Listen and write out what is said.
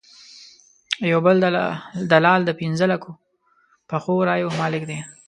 یو بل دلال د پنځه لکه پخو رایو مالک دی.